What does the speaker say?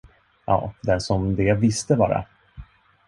Ja, den som det visste bara!